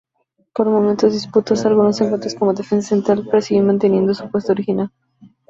Por momentos disputó algunos encuentros como defensa central pero siguió manteniendo su puesto original.